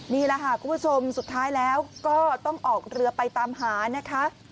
นี่แหละค่ะคุณผู้ชมสุดท้ายแล้วก็ต้องออกเรือไปตามหานะคะ